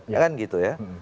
ya kan gitu ya